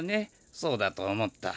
そうだと思った。